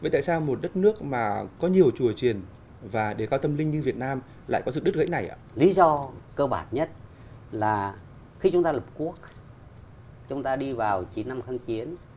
lý do cơ bản nhất là khi chúng ta lập quốc chúng ta đi vào chín năm kháng chiến